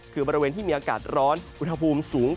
คือบริเวณที่มีอากาศร้อนอุณหภูมิสูง